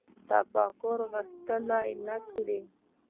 تفکر غښتلی نه کړي